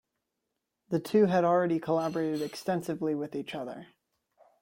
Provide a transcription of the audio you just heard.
The two had already collaborated extensively with each other.